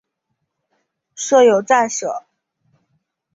设有站舍。